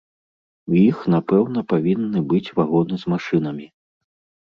У іх напэўна павінны быць вагоны з машынамі.